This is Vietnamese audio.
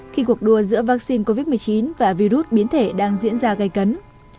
khi cuộc đua giữa vaccine covid một mươi chín và virus biến thể đang diễn ra gây cấn